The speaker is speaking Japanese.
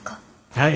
はい。